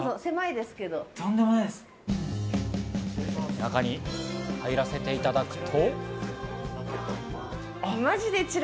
中に入らせていただくと。